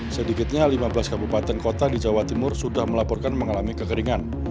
sedikitnya lima belas kabupaten kota di jawa timur sudah melaporkan mengalami kekeringan